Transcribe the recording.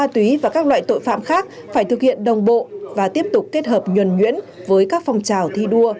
trong tình hình mới